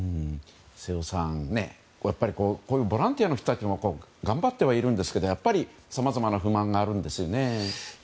瀬尾さん、ボランティアの人たちも頑張ってはいるんですがやっぱりさまざまな不満があるんですよね。